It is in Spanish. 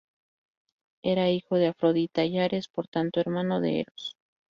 Era hijo de Afrodita y Ares, por tanto, hermano de Eros.